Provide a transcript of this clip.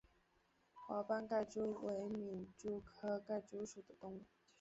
华斑盖蛛为皿蛛科盖蛛属的动物。